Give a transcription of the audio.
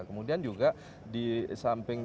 kemudian juga di samping